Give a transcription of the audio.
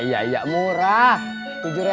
bikin me deserved maksudnya